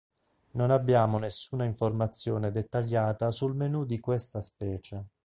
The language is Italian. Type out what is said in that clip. Non abbiamo nessuna informazione dettagliata sul menu di questa specie.